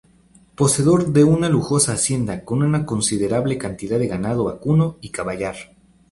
Poseedor de una lujosa hacienda con una considerable cantidad de ganado vacuno y caballar.